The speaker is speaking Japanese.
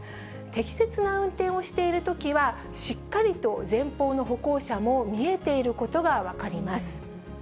適切な運転をしているときは、しっかりと前方の歩行者も見えていることが分かります。